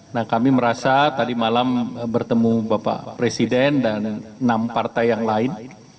nah kami merasa tadi malam bertemu bapak presiden dan enam partai yang lain